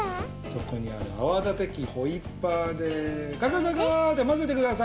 そこにあるあわだてきホイッパーでガガガガーってまぜてください。